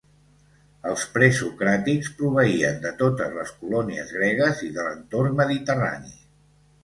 Els presocràtics proveïen de totes les colònies gregues i de l'entorn mediterrani.